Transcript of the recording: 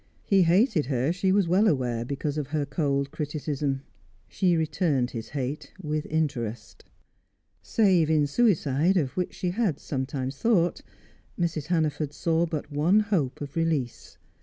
He hated her, she was well aware, because of her cold criticism; she returned his hate with interest. Save in suicide, of which she had sometimes thought, Mrs. Hannaford saw but one hope of release.